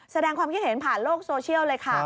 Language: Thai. แสดงความคิดเห็นผ่านโลกโซเชียลเลยค่ะ